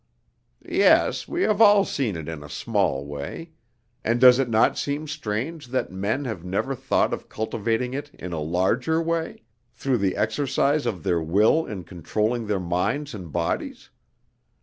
"Yes, we have all seen it in a small way; and does it not seem strange that men have never thought of cultivating it in a larger way, through the exercise of their will in controlling their minds and bodies?